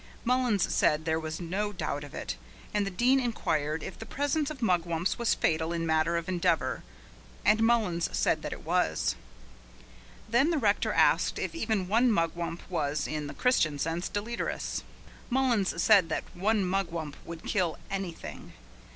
Mullins said there was no doubt of it, and the Dean enquired if the presence of mugwumps was fatal in matters of endeavour, and Mullins said that it was. Then the rector asked if even one mugwump was, in the Christian sense, deleterious. Mullins said that one mugwump would kill anything.